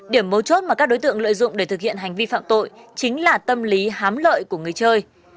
điểm mấu chốt mà các đối tượng lợi dụng để thực hiện hành vi phạm tội chính là tâm lý hám lợi của người chơi